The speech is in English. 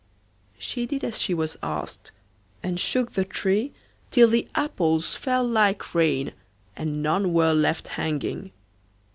She did as she was asked, and shook the tree till the apples fell like rain and none were left hanging.